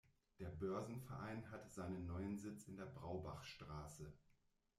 Der Börsenverein hat seinen neuen Sitz in der Braubachstraße.